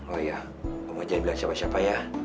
oh ya mama jangan bilang siapa siapa ya